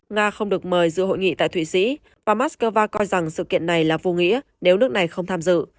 nga không được mời dự hội nghị tại thụy sĩ và moscow coi rằng sự kiện này là vô nghĩa nếu nước này không tham dự